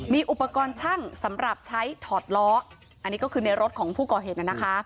มีอุปกรณ์ช่างสำหรับใช้ถอดล้ออันนี้ก็คือในรถของผู้ก่อเหตุนะคะ